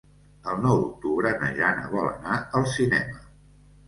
El nou d'octubre na Jana vol anar al cinema.